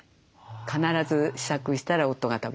必ず試作したら夫が食べる。